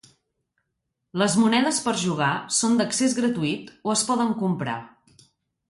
Les monedes per jugar són d'accés gratuït o es poden comprar.